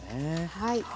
はい。